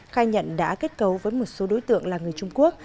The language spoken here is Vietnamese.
khai nhận đã kết cấu với một số đối tượng là người trung quốc